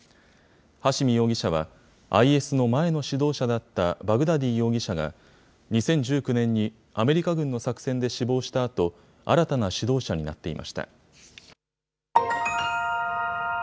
ハシミ容疑者は、ＩＳの前の指導者だった、バグダディ容疑者が、２０１９年にアメリカ軍の作戦で死亡したあと、新たな指導者になっていました。